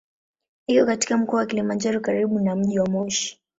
Iko katika Mkoa wa Kilimanjaro karibu na mji wa Moshi.